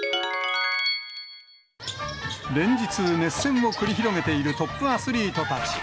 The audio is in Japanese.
連日、熱戦を繰り広げているトップアスリートたち。